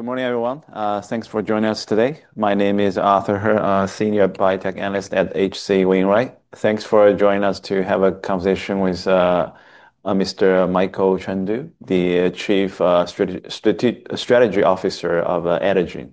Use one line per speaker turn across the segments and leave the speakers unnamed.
Good morning, everyone. Thanks for joining us today. My name is Arthur He, Senior Biotech Analyst at H.C. Wainwright. Thanks for joining us to have a conversation with Mr. Mickael Chane-Du, the Chief Strategy Officer of Adagene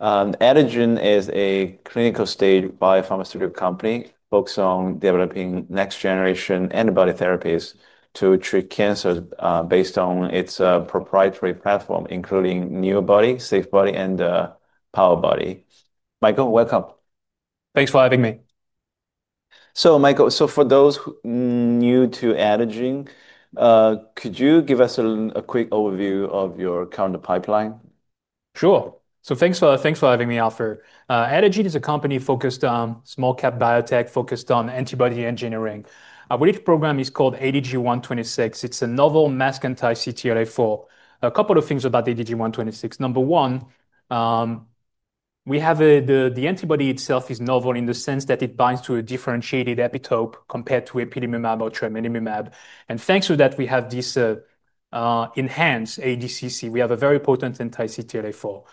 Inc. Adagene is a clinical-stage biopharmaceutical company focused on developing next-generation antibody therapies to treat cancer, based on its proprietary platform, including NEObody, SAFEbody and POWERbody. Mickael, welcome.
Thanks for having me.
Mickael, for those who are new to Adagene, could you give us a quick overview of your current pipeline?
Sure. Thanks for having me, Arthur. Adagene is a company focused on small-cap biotech, focused on antibody engineering. Our latest program is called ADG126. It's a novel masked anti-CTLA-4. A couple of things about ADG126. Number one, we have the antibody itself is novel in the sense that it binds to a differentiated epitope compared to ipilimumab or tremelimumab. Thanks to that, we have this enhanced ADCC. We have a very potent anti-CTLA-4.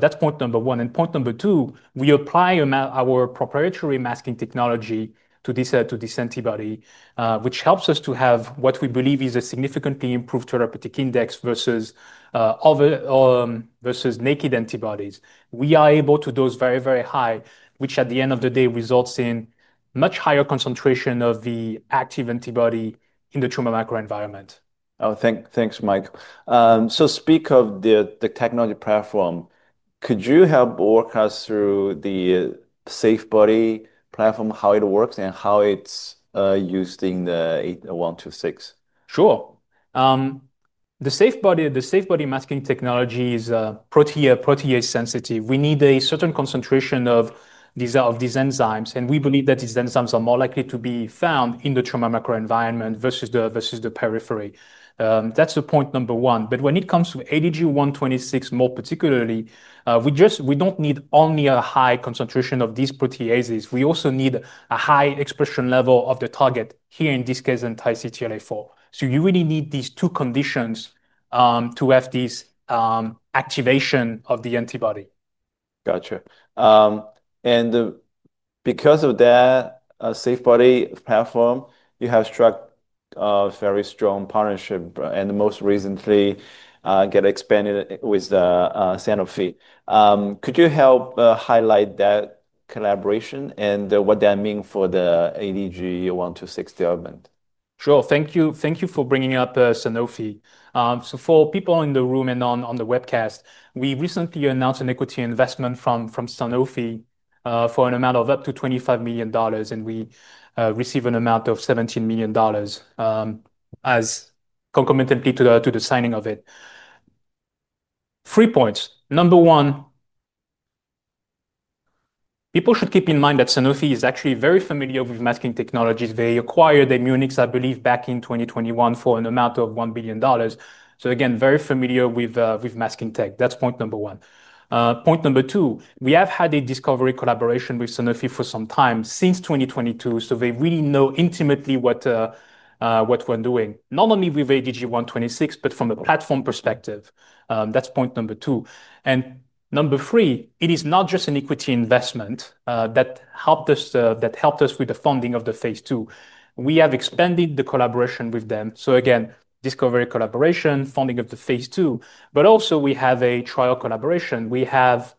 That's point number one. Point number two, we apply our proprietary masking technology to this antibody, which helps us to have what we believe is a significantly improved therapeutic index versus naked antibodies. We are able to dose very, very high, which at the end of the day results in a much higher concentration of the active antibody in the tumor microenvironment.
Thanks, Mickael. Speaking of the SAFEbody technology platform, could you help walk us through the SAFEbody platform, how it works, and how it's using the ADG126?
Sure. The SAFEbody masking technology is protease-sensitive. We need a certain concentration of these enzymes, and we believe that these enzymes are more likely to be found in the tumor microenvironment versus the periphery. That's the point number one. When it comes to ADG126, more particularly, we just don't need only a high concentration of these proteases. We also need a high expression level of the target, here in this case, anti-CTLA-4. You really need these two conditions to have this activation of the antibody.
Gotcha. Because of that SAFEbody technology platform, you have struck a very strong partnership and most recently got expanded with Sanofi. Could you help highlight that collaboration and what that means for the ADG126 development?
Sure. Thank you for bringing up Sanofi. For people in the room and on the webcast, we recently announced an equity investment from Sanofi for an amount of up to $25 million, and we received an amount of $17 million concomitantly to the signing of it. Three points. Number one, people should keep in mind that Sanofi is actually very familiar with masking technologies. They acquired Munich, I believe, back in 2021 for an amount of $1 billion. Very familiar with masking tech. That's point number one. Number two, we have had a discovery collaboration with Sanofi for some time, since 2022. They really know intimately what we're doing, not only with ADG126, but from a platform perspective. That's point number two. Number three, it is not just an equity investment that helped us with the funding of the phase 2. We have expanded the collaboration with them. Discovery collaboration, funding of the phase 2, but also we have a trial collaboration. They have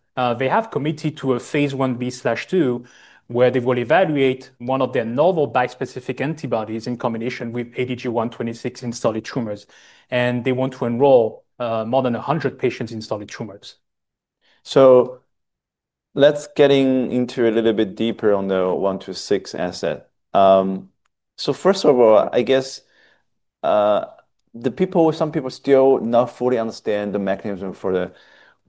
committed to a phase 1b/2 where they will evaluate one of their novel bispecific antibodies in combination with ADG126 in solid tumors. They want to enroll more than 100 patients in solid tumors.
Let's get into a little bit deeper on the ADG126 asset. First of all, I guess some people still do not fully understand the mechanism for the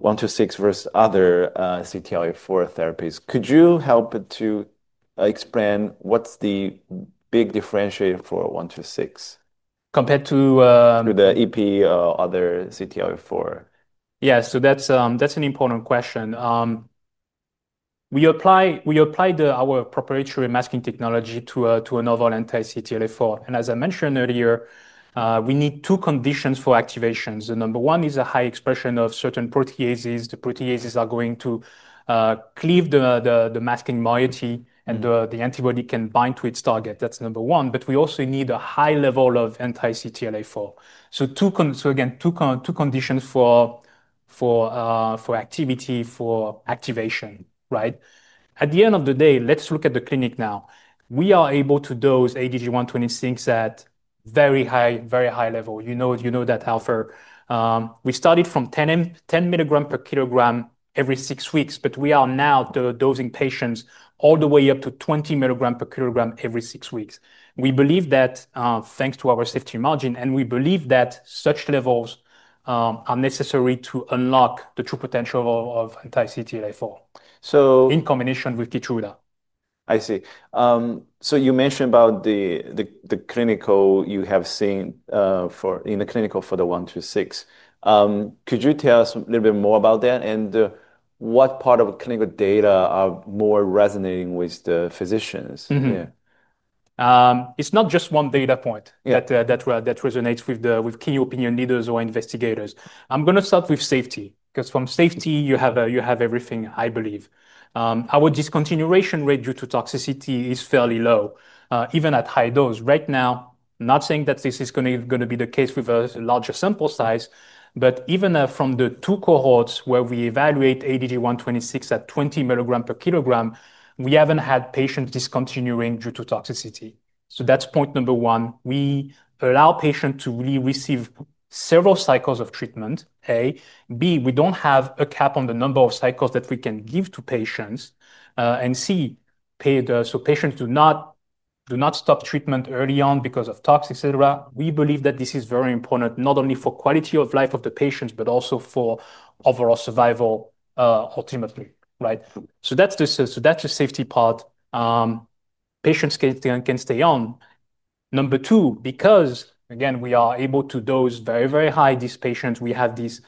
ADG126 versus other CTLA-4 therapies. Could you help to explain what's the big differentiator for ADG126?
Compared to?
To the epitope or other CTLA-4.
Yeah, that's an important question. We applied our proprietary masking technology to a novel anti-CTLA-4. As I mentioned earlier, we need two conditions for activation. Number one is a high expression of certain proteases. The proteases are going to cleave the masking moiety, and the antibody can bind to its target. That's number one. We also need a high level of anti-CTLA-4. Again, two conditions for activity, for activation, right? At the end of the day, let's look at the clinic now. We are able to dose ADG126 at a very high level. You know that, Arthur. We started from 10 mg/kg every six weeks, but we are now dosing patients all the way up to 20 mg/kg every six weeks. We believe that thanks to our safety margin, and we believe that such levels are necessary to unlock the true potential of anti-CTLA-4 in combination with Keytruda.
I see. You mentioned about the clinical you have seen in the clinical for the ADG126. Could you tell us a little bit more about that? What part of clinical data is more resonating with the physicians here?
It's not just one data point that resonates with key opinion leaders or investigators. I'm going to start with safety, because from safety, you have everything, I believe. Our discontinuation rate due to toxicity is fairly low, even at high dose. Right now, I'm not saying that this is going to be the case with a larger sample size, but even from the two cohorts where we evaluate ADG126 at 20mg/kg, we haven't had patients discontinuing due to toxicity. That's point number one. We allow patients to really receive several cycles of treatment, A. B, we don't have a cap on the number of cycles that we can give to patients. C, patients do not stop treatment early on because of tox, etc. We believe that this is very important, not only for the quality of life of the patients, but also for overall survival, ultimately, right? That's the safety part. Patients can stay on. Number two, because again, we are able to dose very, very high on these patients. We have this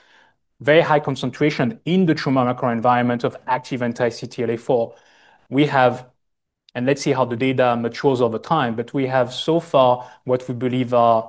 very high concentration in the tumor microenvironment of active anti-CTLA-4. We have, and let's see how the data matures over time, but we have so far what we believe is a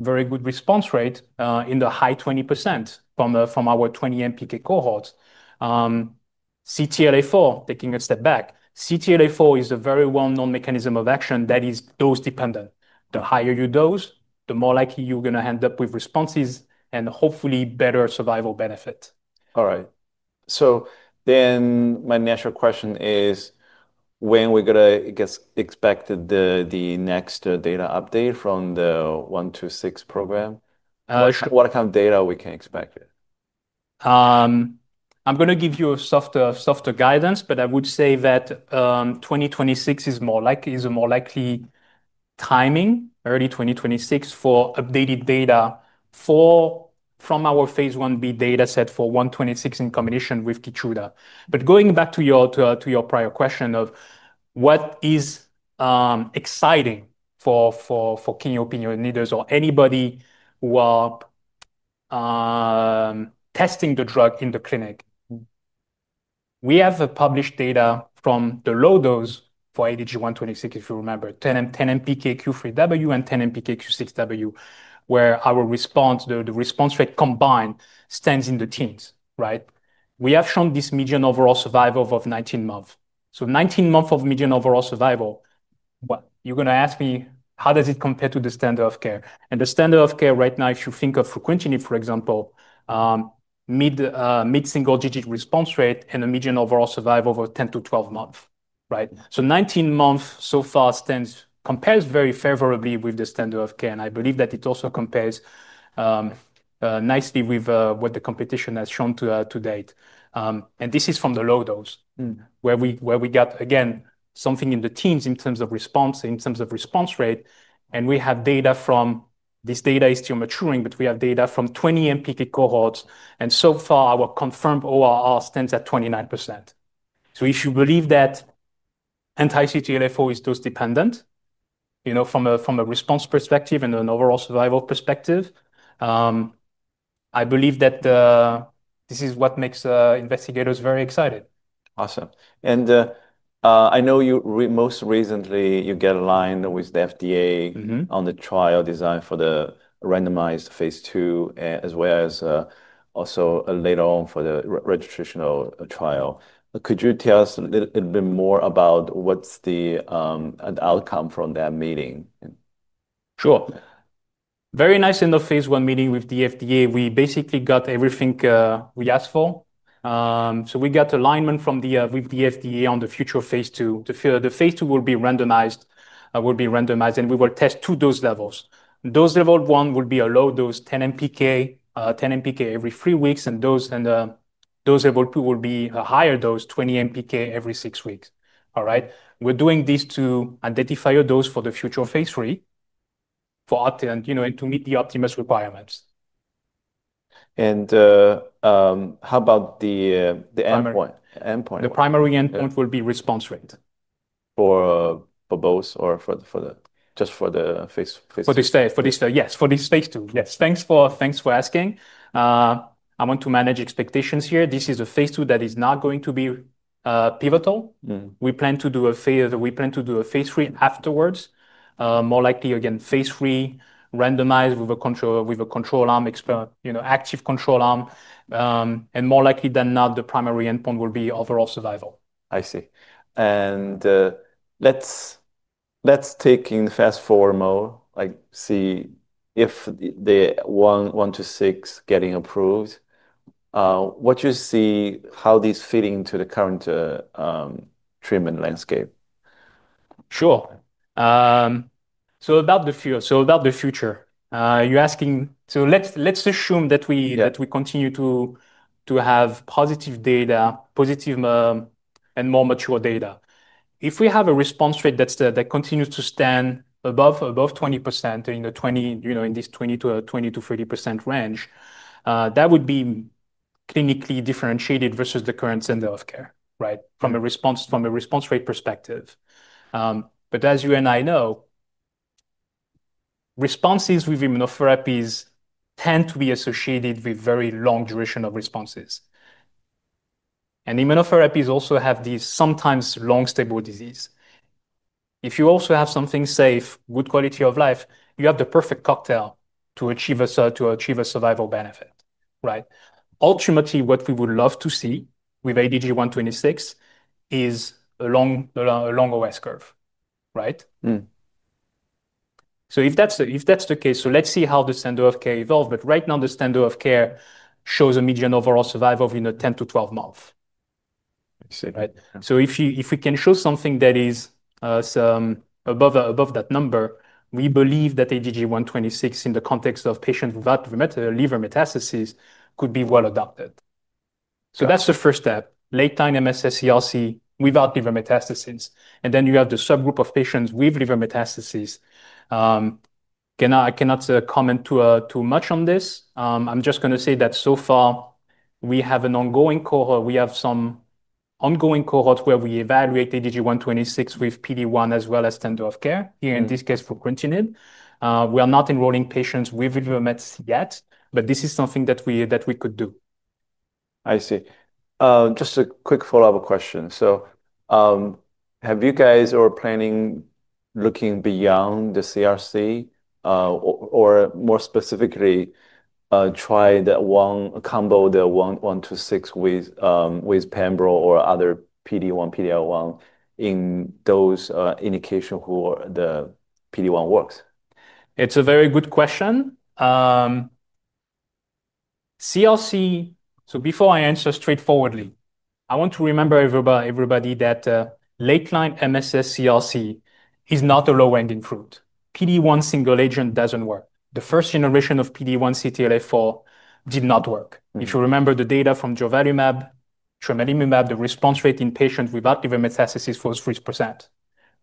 very good response rate in the high 20% from our 20 mpk cohorts. CTLA-4, taking a step back, CTLA-4 is a very well-known mechanism of action that is dose-dependent. The higher you dose, the more likely you're going to end up with responses and hopefully better survival benefits.
All right. Then my natural question is, when are we going to expect the next data update from the ADG126 program? What kind of data can we expect?
I'm going to give you a softer guidance, but I would say that 2026 is a more likely timing, early 2026, for updated data from our phase 1b data set for ADG126 in combination with Keytruda. Going back to your prior question of what is exciting for key opinion leaders or anybody who are testing the drug in the clinic, we have published data from the low dose for ADG126, if you remember, 10 mpk Q3W and 10 mpk Q6W, where our response, the response rate combined, stands in the teens, right? We have shown this median overall survival of 19 months. Nineteen months of median overall survival, you're going to ask me, how does it compare to the standard of care? The standard of care right now, if you think of frequency, for example, mid-single-digit response rate and a median overall survival of 10 months-12 months, right? Nineteen months so far compares very favorably with the standard of care. I believe that it also compares nicely with what the competition has shown to date. This is from the low dose, where we got, again, something in the teens in terms of response, in terms of response rate. We have data from this data is still maturing, but we have data from 20 mpk cohorts. So far, our confirmed ORR stands at 29%. If you believe that anti-CTLA-4 is dose-dependent, you know, from a response perspective and an overall survival perspective, I believe that this is what makes investigators very excited.
Awesome. I know you most recently get aligned with the FDA on the trial design for the randomized phase 2, as well as also later on for the registration trial. Could you tell us a little bit more about what's the outcome from that meeting?
Sure. Very nice in the phase 1 meeting with the FDA. We basically got everything we asked for. We got alignment from the FDA on the future phase 2. The phase 2 will be randomized, and we will test two dose levels. Dose level one will be a low dose, 10 mg/kg, 10 mg/kg every three weeks, and dose level two will be a higher dose, 20 mg/kg every six weeks. We're doing this to identify a dose for the future phase 3 and to meet the optimist requirements.
How about the endpoint?
The primary endpoint will be response rate.
For both or just for the phase 2?
For this phase, yes. For this phase two, yes. Thanks for asking. I want to manage expectations here. This is a phase two that is not going to be pivotal. We plan to do a phase three afterwards. More likely, phase three randomized with a control arm, active control arm. More likely than not, the primary endpoint will be overall survival.
I see. Let's take fast forward mode, like see if the ADG126 getting approved, what you see, how this fits into the current treatment landscape.
Sure. So about the future, you're asking, let's assume that we continue to have positive data, positive and more mature data. If we have a response rate that continues to stand above 20%, in this 20%-30% range, that would be clinically differentiated versus the current standard of care, right? From a response rate perspective. As you and I know, responses with immunotherapies tend to be associated with very long duration of responses. Immunotherapies also have these sometimes long stable disease. If you also have something safe, good quality of life, you have the perfect cocktail to achieve a survival benefit, right? Ultimately, what we would love to see with ADG126 is a long OS curve, right? If that's the case, let's see how the standard of care evolves. Right now, the standard of care shows a median overall survival in the 10 months-12 months.
I see.
If we can show something that is above that number, we believe that ADG126 in the context of patients without liver metastases could be well adopted. That is the first step, late-time MSSCRC without liver metastases. Then you have the subgroup of patients with liver metastases. I cannot comment too much on this. I am just going to say that so far, we have an ongoing cohort. We have some ongoing cohorts where we evaluate ADG126 with PD-1 as well as standard of care, here in this case for quentinib. We are not enrolling patients with liver metastases yet, but this is something that we could do.
I see. Just a quick follow-up question. Have you guys or are you planning looking beyond the CRC or more specifically try the one combo, the 126 with Pembro or other PD-1, PD-L1 in those indications where the PD-1 works?
It's a very good question. CRC, before I answer straightforwardly, I want to remind everybody that late-time MSSCRC is not a low-hanging fruit. PD-1 single agent doesn't work. The first generation of PD-1 CTLA-4 did not work. If you remember the data from durvalumab, tremelimumab, the response rate in patients without liver metastases was 3%,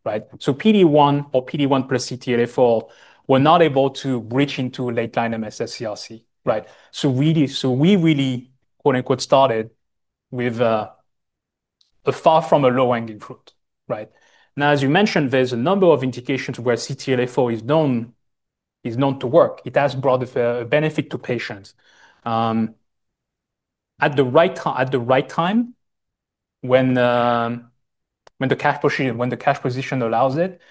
right? PD-1 or PD-1 plus CTLA-4 were not able to bridge into late-time MSSCRC, right? We really, quote-unquote, "started" with far from a low-hanging fruit, right? As you mentioned, there's a number of indications where CTLA-4 is known to work. It has brought a benefit to patients. At the right time, when the cash position allows it,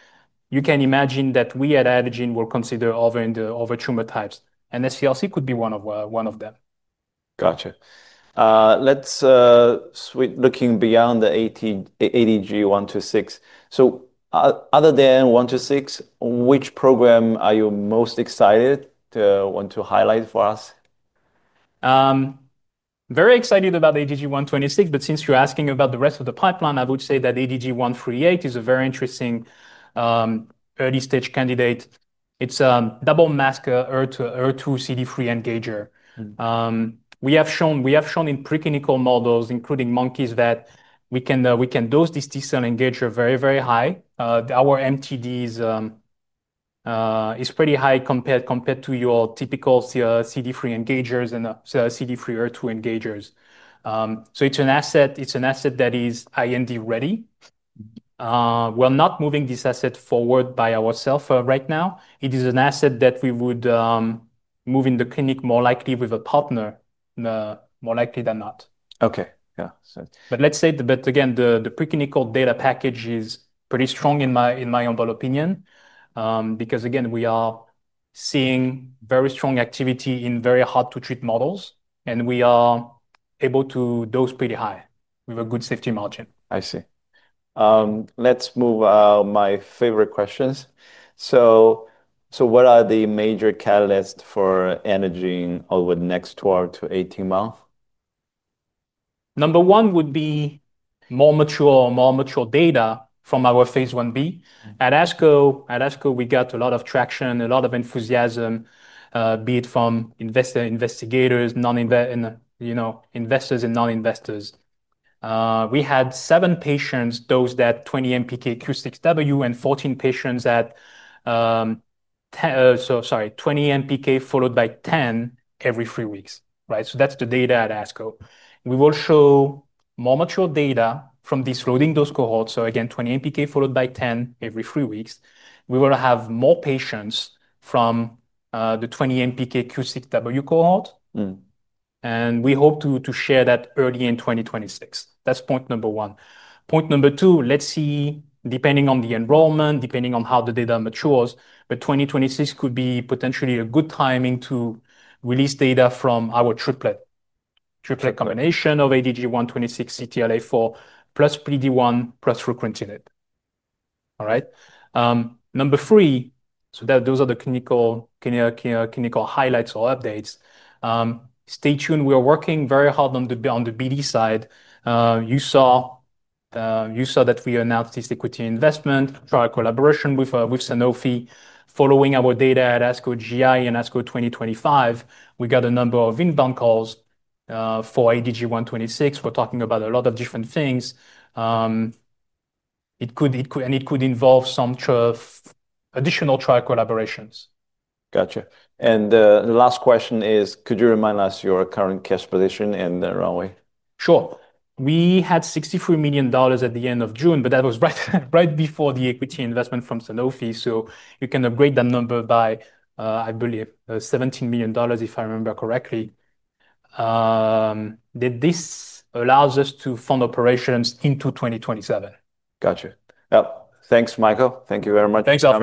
you can imagine that we at Adagene will consider other tumor types. MSSCRC could be one of them.
Gotcha. Let's switch, looking beyond the ADG126. Other than 126, which program are you most excited to want to highlight for us?
Very excited about ADG126, but since you're asking about the rest of the pipeline, I would say that ADG138 is a very interesting early-stage candidate. It's a double masker, HER2/CD3 engager. We have shown in preclinical models, including monkeys, that we can dose this T-cell engager very, very high. Our MTD is pretty high compared to your typical CD3 engagers and CD3 HER2 engagers. It is an asset that is IND-ready. We're not moving this asset forward by ourselves right now. It is an asset that we would move in the clinic more likely with a partner, more likely than not.
Okay. Yeah.
Let's say that, again, the preclinical data package is pretty strong in my humble opinion because, again, we are seeing very strong activity in very hard-to-treat models, and we are able to dose pretty high with a good safety margin.
I see. Let's move on to my favorite questions. What are the major catalysts for Adagene over the next 12 to 18 months?
Number one would be more mature or more data from our phase 1B. At ASCO, we got a lot of traction, a lot of enthusiasm, be it from investors, investigators, investors, and non-investors. We had seven patients, those at 20 mpk Q6W, and 14 patients at, sorry, 20 mpk followed by 10 every three weeks, right? That's the data at ASCO. We will show more mature data from disroding those cohorts. Again, 20 mpk followed by 10 every three weeks. We will have more patients from the 20 mpk Q6W cohort, and we hope to share that early in 2026. That's point number one. Point number two, let's see, depending on the enrollment, depending on how the data matures, but 2026 could be potentially a good timing to release data from our triplet, triplet combination of ADG126 CTLA-4 plus PD-1 plus frequently. All right? Number three, those are the clinical highlights or updates. Stay tuned. We are working very hard on the BD side. You saw that we announced this equity investment, trial collaboration with Sanofi. Following our data at ASCO GI and ASCO 2025, we got a number of inbound calls for ADG126. We're talking about a lot of different things, and it could involve some additional trial collaborations.
Gotcha. The last question is, could you remind us your current cash position and the runway?
Sure. We had $63 million at the end of June, but that was right before the equity investment from Sanofi. You can upgrade that number by, I believe, $17 million, if I remember correctly. This allows us to fund operations into 2027.
Gotcha. Thanks, Mickael. Thank you very much.
Thanks, Arthur.